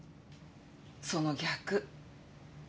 その逆。